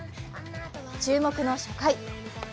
注目の初回。